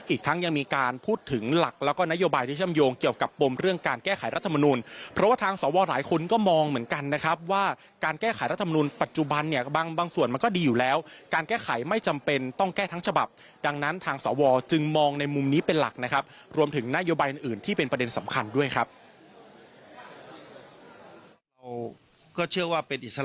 อีกทั้งยังมีการพูดถึงหลักแล้วก็นโยบายที่เชื่อมโยงเกี่ยวกับปมเรื่องการแก้ไขรัฐมนุนเพราะว่าทางสวหลายคนก็มองเหมือนกันนะครับว่าการแก้ไขรัฐมนุนปัจจุบันเนี่ยบางส่วนมันก็ดีอยู่แล้วการแก้ไขไม่จำเป็นต้องแก้ทั้งฉบับดังนั้นทางสวจึงมองในมุมนี้เป็นหลักนะครับรวมถึงนโยบายอื่นที่เป็นประเด็นสำคัญด้วยครับ